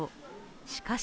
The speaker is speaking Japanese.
しかし